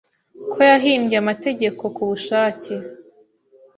Ko yahimbye amategeko kubushake